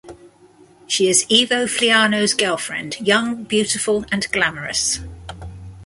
She is Ivo Flaiano's girlfriend, young, beautiful and glamorous.